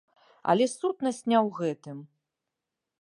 Але сутнасць не ў гэтым.